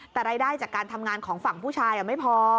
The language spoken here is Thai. แต่รายได้จากการทำงานของฝั่งผู้ชายไม่พอ